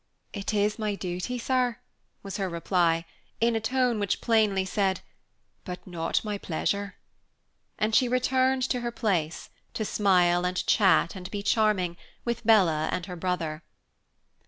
"It is my duty, sir" was her reply, in a tone which plainly said, "but not my pleasure." And she returned to her place, to smile, and chat, and be charming, with Bella and her brother.